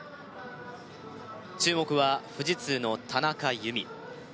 注目は富士通の田中佑美